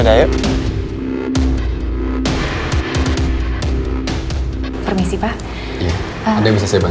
terima kasih ma